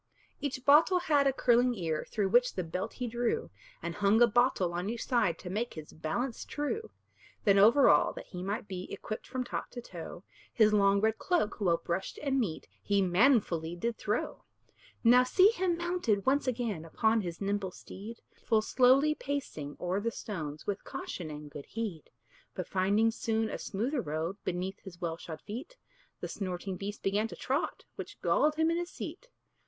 Each bottle had a curling ear, Through which the belt he drew, And hung a bottle on each side, To make his balance true. Then over all, that he might be Equipped from top to toe, His long red cloak, well brushed and neat, He manfully did throw. Now see him mounted once again Upon his nimble steed, Full slowly pacing o'er the stones, With caution and good heed. But finding soon a smoother road Beneath his well shod feet, The snorting beast began to trot, Which galled him in his seat.